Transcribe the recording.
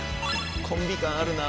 コンビ感あるな。